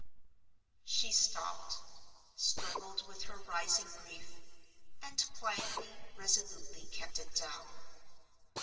She stopped: struggled with her rising grief; and quietly, resolutely, kept it down.